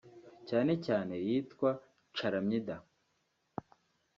cyane cyane iyitwa chlamydia